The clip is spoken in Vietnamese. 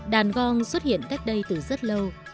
đàn gong xuất hiện cách đây từ rất lâu